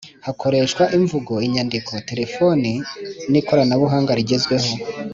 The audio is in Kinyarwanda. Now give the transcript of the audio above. Hakoreshwa imvugo, inyandiko, terefoni nikoranabuhanga rigezweho